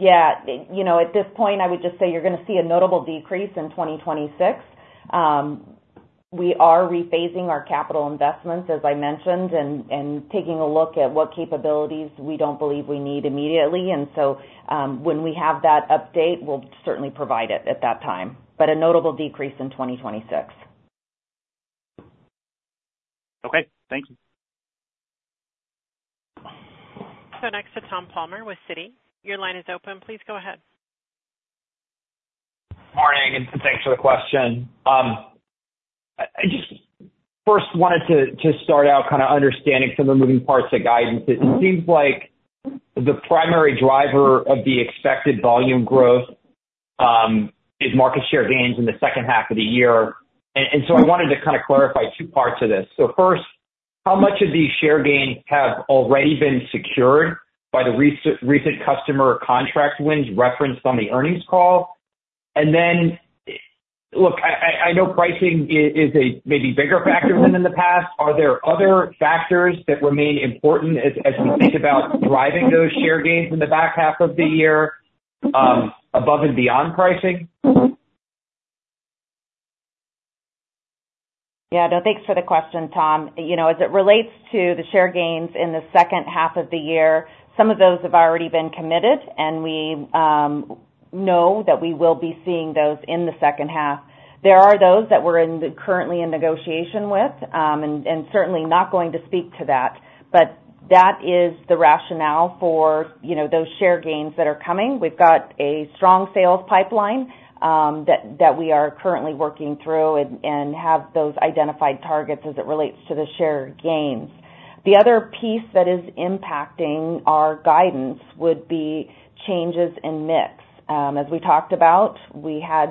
Yeah. At this point, I would just say you're going to see a notable decrease in 2026. We are rephasing our capital investments, as I mentioned, and taking a look at what capabilities we don't believe we need immediately. And so when we have that update, we'll certainly provide it at that time. But a notable decrease in 2026. Okay. Thanks. Go next to Tom Palmer with Citi. Your line is open. Please go ahead. Morning. Thanks for the question. I just first wanted to start out kind of understanding some of the moving parts of guidance. It seems like the primary driver of the expected volume growth is market share gains in H2 of the year. And so I wanted to kind of clarify two parts of this. So first, how much of these share gains have already been secured by the recent customer contract wins referenced on the earnings call? And then, look, I know pricing is a maybe bigger factor than in the past. Are there other factors that remain important as we think about driving those share gains in the back half of the year above and beyond pricing? Yeah. No, thanks for the question, Tom. As it relates to the share gains in H2 of the year, some of those have already been committed, and we know that we will be seeing those in H2. There are those that we're currently in negotiation with and certainly not going to speak to that. But that is the rationale for those share gains that are coming. We've got a strong sales pipeline that we are currently working through and have those identified targets as it relates to the share gains. The other piece that is impacting our guidance would be changes in mix. As we talked about, we had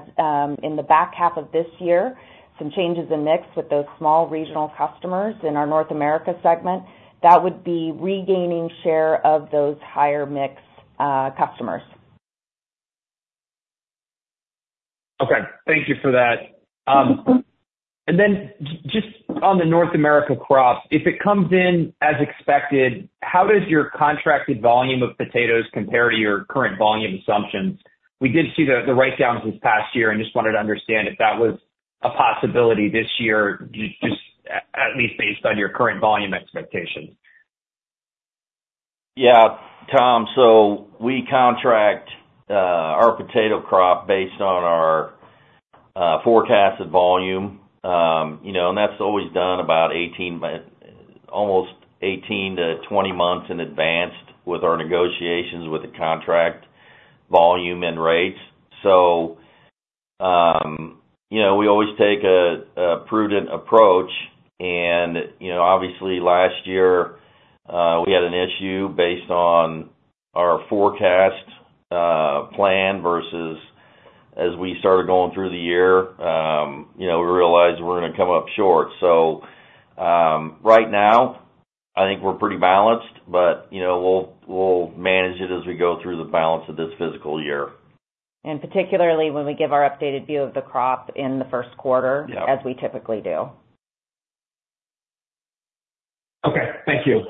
in the back half of this year some changes in mix with those small regional customers in our North America segment. That would be regaining share of those higher mix customers. Okay. Thank you for that. And then just on the North America crops, if it comes in as expected, how does your contracted volume of potatoes compare to your current volume assumptions? We did see the write-downs this past year. I just wanted to understand if that was a possibility this year, just at least based on your current volume expectations. Yeah. Tom, so we contract our potato crop based on our forecasted volume. That's always done about almost 18-20 months in advance with our negotiations with the contract volume and rates. So we always take a prudent approach. Obviously, last year, we had an issue based on our forecast plan versus as we started going through the year, we realized we're going to come up short. So right now, I think we're pretty balanced, but we'll manage it as we go through the balance of this Fiscal Year. Particularly when we give our updated view of the crop in the first quarter, as we typically do. Okay. Thank you.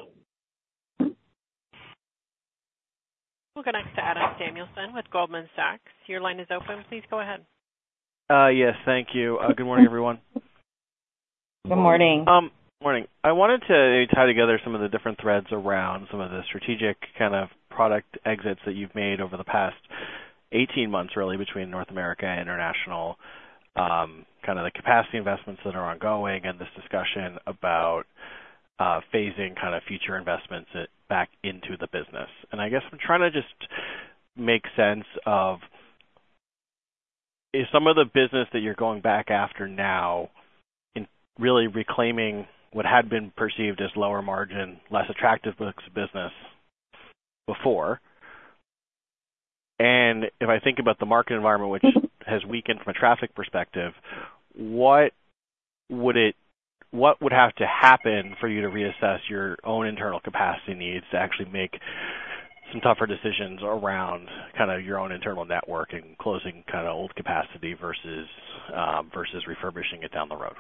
We'll go next to Adam Samuelson with Goldman Sachs. Your line is open. Please go ahead. Yes. Thank you. Good morning, everyone. Good morning. Good morning. I wanted to tie together some of the different threads around some of the strategic kind of product exits that you've made over the past 18 months, really, between North America and international, kind of the capacity investments that are ongoing and this discussion about phasing kind of future investments back into the business. And I guess I'm trying to just make sense of some of the business that you're going back after now in really reclaiming what had been perceived as lower margin, less attractive business before. If I think about the market environment, which has weakened from a traffic perspective, what would have to happen for you to reassess your own internal capacity needs to actually make some tougher decisions around kind of your own internal network and closing kind of old capacity versus refurbishing it down the road?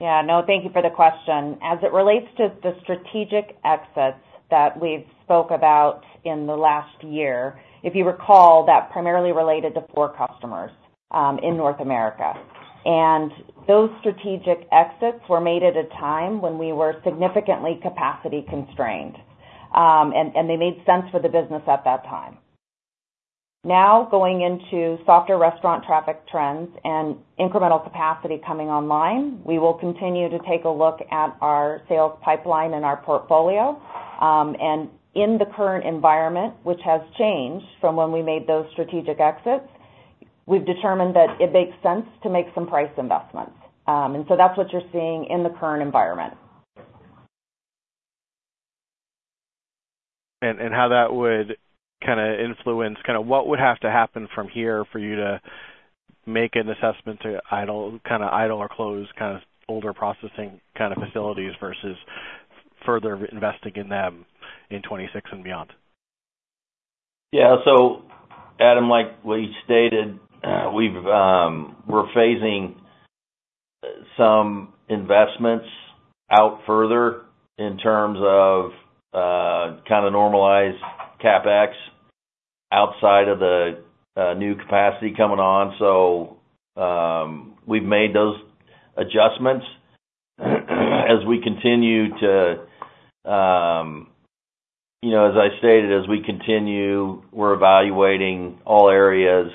Yeah. No, thank you for the question. As it relates to the strategic exits that we've spoke about in the last year, if you recall, that primarily related to four customers in North America. Those strategic exits were made at a time when we were significantly capacity constrained, and they made sense for the business at that time. Now, going into softer restaurant traffic trends and incremental capacity coming online, we will continue to take a look at our sales pipeline and our portfolio. In the current environment, which has changed from when we made those strategic exits, we've determined that it makes sense to make some price investments. So that's what you're seeing in the current environment. How that would kind of influence kind of what would have to happen from here for you to make an assessment to kind of idle or close kind of older processing kind of facilities versus further investing in them in 2026 and beyond? Yeah. So, Adam, like we stated, we're phasing some investments out further in terms of kind of normalized CapEx outside of the new capacity coming on. So we've made those adjustments as we continue to, as I stated, we're evaluating all areas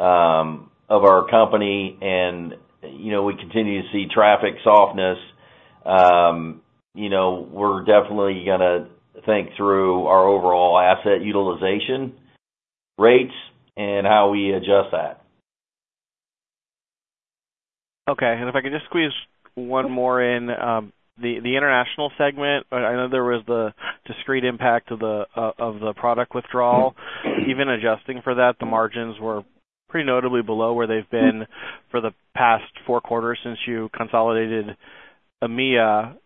of our company. And we continue to see traffic softness. We're definitely going to think through our overall asset utilization rates and how we adjust that. Okay. And if I could just squeeze one more in, the international segment, I know there was the discrete impact of the product withdrawal. Even adjusting for that, the margins were pretty notably below where they've been for the past four quarters since you consolidated EMEA..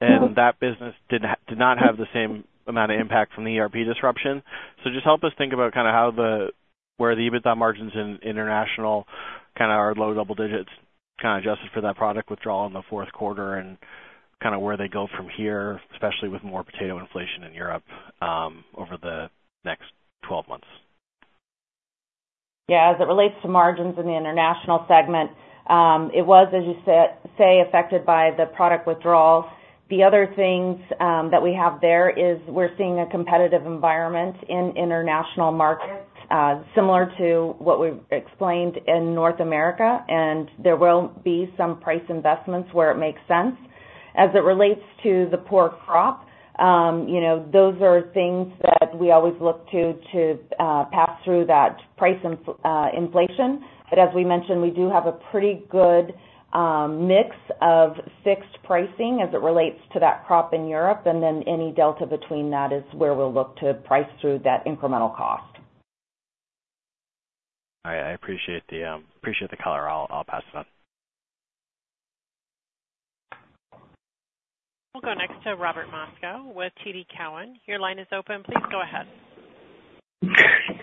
And that business did not have the same amount of impact from the ERP disruption. So just help us think about kind of where the EBITDA margins in international kind of are low double digits kind of adjusted for that product withdrawal in Q4 and kind of where they go from here, especially with more potato inflation in Europe over the next 12 months. Yeah. As it relates to margins in the international segment, it was, as you say, affected by the product withdrawal. The other things that we have there is we're seeing a competitive environment in international markets similar to what we've explained in North America. And there will be some price investments where it makes sense. As it relates to the poor crop, those are things that we always look to pass through that price inflation. But as we mentioned, we do have a pretty good mix of fixed pricing as it relates to that crop in Europe. And then any delta between that is where we'll look to price through that incremental cost. All right. I appreciate the color. I'll pass it on. We'll go next to Robert Moskow with TD Cowen. Your line is open. Please go ahead.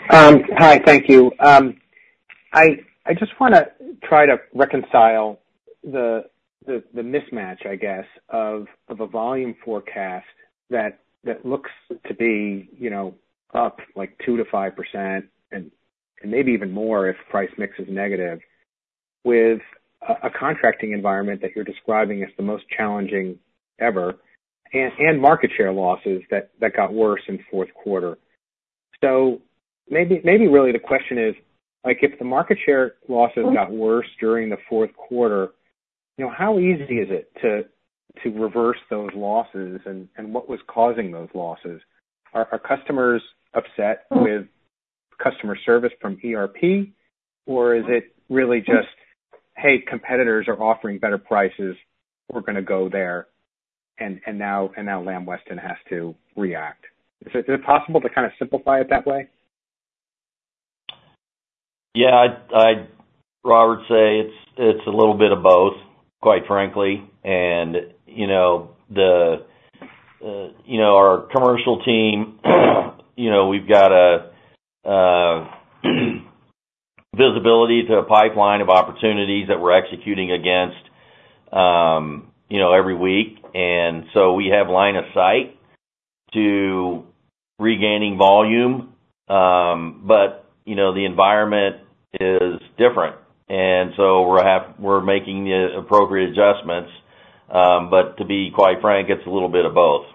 Hi. Thank you. I just want to try to reconcile the mismatch, I guess, of a volume forecast that looks to be up like 2%-5% and maybe even more if price mix is negative with a contracting environment that you're describing as the most challenging ever and market share losses that got worse in Q4. So maybe really the question is, if the market share losses got worse during the fourth quarter, how easy is it to reverse those losses and what was causing those losses? Are customers upset with customer service from ERP, or is it really just, "Hey, competitors are offering better prices. We're going to go there." And now Lamb Weston has to react. Is it possible to kind of simplify it that way? Yeah. I'd, Robert, say it's a little bit of both, quite frankly. Our commercial team, we've got a visibility to a pipeline of opportunities that we're executing against every week. We have line of sight to regaining volume. The environment is different. We're making the appropriate adjustments. But to be quite frank, it's a little bit of both.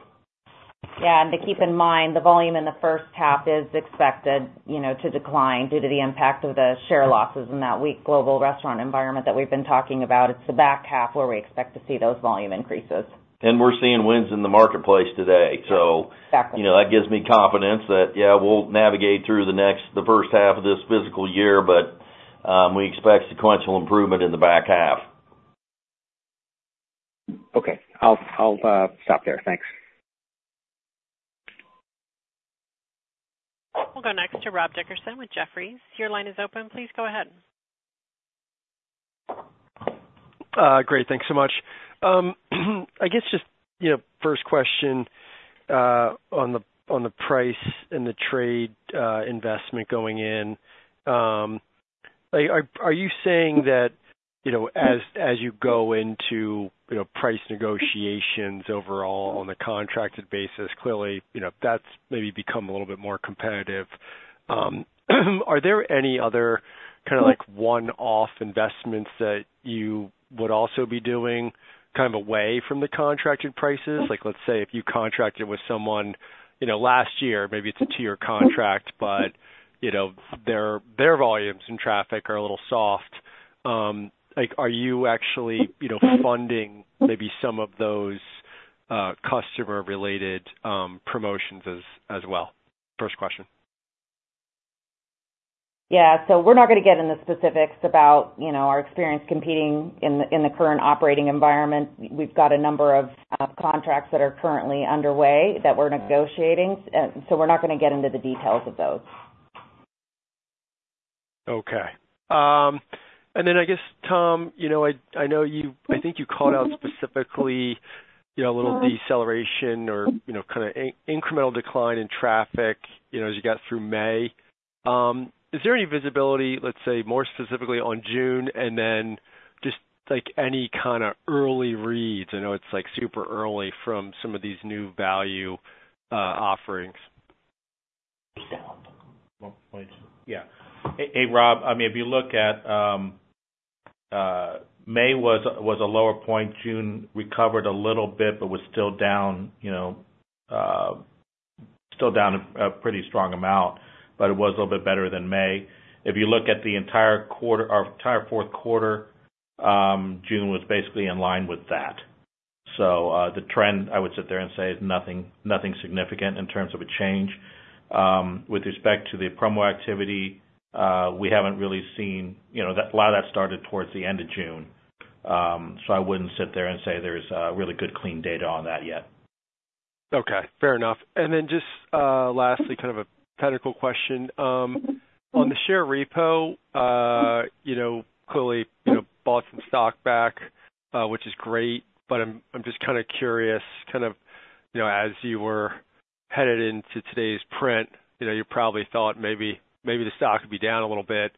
Yeah. To keep in mind, the volume in the first half is expected to decline due to the impact of the share losses in that weak global restaurant environment that we've been talking about. It's the back half where we expect to see those volume increases. We're seeing wins in the marketplace today. So that gives me confidence that, yeah, we'll navigate through H1 of this Fiscal Year, but we expect sequential improvement in the back half. Okay. I'll stop there. Thanks. We'll go next to Rob Dickerson with Jefferies. Your line is open. Please go ahead. Great. Thanks so much. I guess just first question on the price and the trade investment going in. Are you saying that as you go into price negotiations overall on a contracted basis, clearly, that's maybe become a little bit more competitive? Are there any other kind of one-off investments that you would also be doing kind of away from the contracted prices? Let's say if you contracted with someone last year, maybe it's a two-year contract, but their volumes and traffic are a little soft. Are you actually funding maybe some of those customer-related promotions as well? First question. Yeah. So we're not going to get into specifics about our experience competing in the current operating environment. We've got a number of contracts that are currently underway that we're negotiating. So we're not going to get into the details of those. Okay. And then I guess, Tom, I know I think you called out specifically a little deceleration or kind of incremental decline in traffic as you got through May. Is there any visibility, let's say, more specifically on June and then just any kind of early reads? I know it's super early from some of these new value offerings. Yeah. Hey, Rob, I mean, if you look at May was a lower point, June recovered a little bit, but was still down a pretty strong amount, but it was a little bit better than May. If you look at the entire Q4, June was basically in line with that. So the trend, I would sit there and say, is nothing significant in terms of a change. With respect to the promo activity, we haven't really seen a lot of that started towards the end of June. So I wouldn't sit there and say there's really good clean data on that yet. Okay. Fair enough. And then just lastly, kind of a technical question. On the share repo, clearly, bought some stock back, which is great. But I'm just kind of curious, kind of as you were headed into today's print, you probably thought maybe the stock would be down a little bit.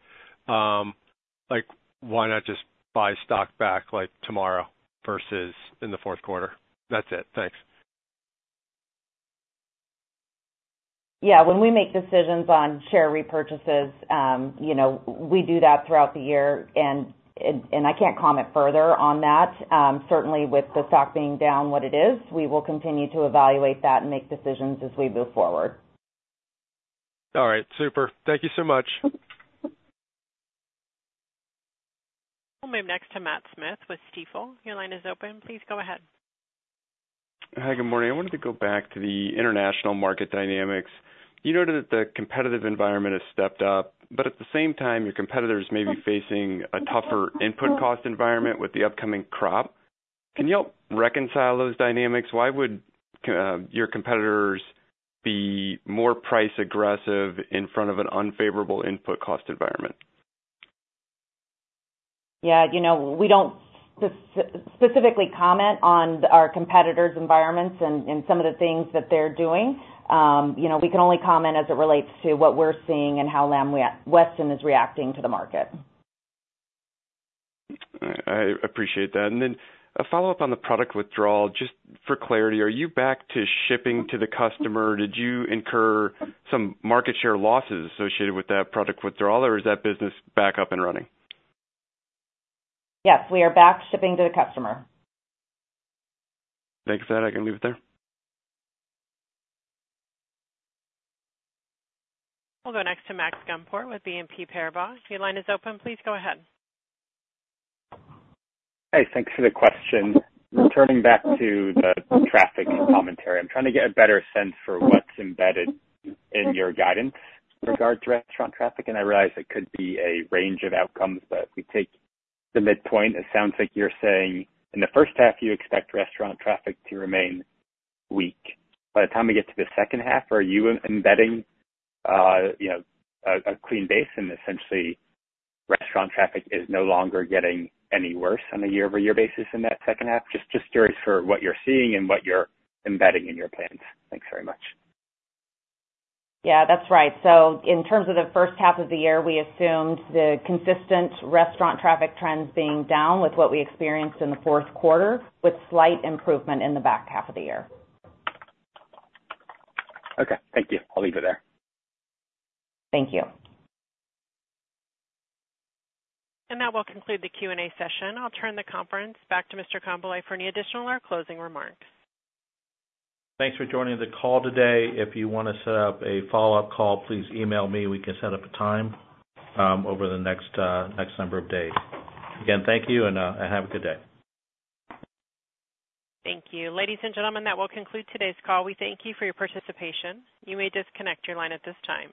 Why not just buy stock back tomorrow versus in Q4? That's it. Thanks. Yeah. When we make decisions on share repurchases, we do that throughout the year. And I can't comment further on that. Certainly, with the stock being down what it is, we will continue to evaluate that and make decisions as we move forward. All right. Super. Thank you so much. We'll move next to Matt Smith with Stifel. Your line is open. Please go ahead. Hi. Good morning. I wanted to go back to the international market dynamics. You noted that the competitive environment has stepped up, but at the same time, your competitors may be facing a tougher input cost environment with the upcoming crop. Can you help reconcile those dynamics? Why would your competitors be more price-aggressive in front of an unfavorable input cost environment? Yeah. We don't specifically comment on our competitors' environments and some of the things that they're doing. We can only comment as it relates to what we're seeing and how Lamb Weston is reacting to the market. I appreciate that. And then a follow-up on the product withdrawal. Just for clarity, are you back to shipping to the customer? Did you incur some market share losses associated with that product withdrawal, or is that business back up and running? Yes. We are back shipping to the customer. Thanks for that. I can leave it there. We'll go next to Max Gumport with BNP Paribas. Your line is open. Please go ahead. Hey. Thanks for the question. Returning back to the traffic commentary, I'm trying to get a better sense for what's embedded in your guidance regard to restaurant traffic. And I realize it could be a range of outcomes, but if we take the midpoint, it sounds like you're saying in H1, you expect restaurant traffic to remain weak. By the time we get to H2, are you embedding a clean base and essentially restaurant traffic is no longer getting any worse on a year-over-year basis in that second half? Just curious for what you're seeing and what you're embedding in your plans. Thanks very much. Yeah. That's right. So in terms of H1 of the year, we assumed the consistent restaurant traffic trends being down with what we experienced in the fourth quarter, with slight improvement in the back half of the year. Okay. Thank you. I'll leave it there. Thank you. And that will conclude the Q&A session. I'll turn the conference back to Mr. Congbalay for any additional or closing remarks. Thanks for joining the call today. If you want to set up a follow-up call, please email me. We can set up a time over the next number of days. Again, thank you, and have a good day. Thank you. Ladies and gentlemen, that will conclude today's call. We thank you for your participation. You may disconnect your line at this time.